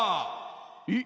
えっ？